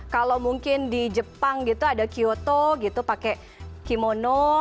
kalau mungkin di jepang gitu ada kyoto gitu pakai kimono